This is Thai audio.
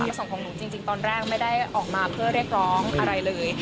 ส่งของหนูจริงตอนแรกไม่ได้ออกมาเพื่อเรียกร้องอะไรเลย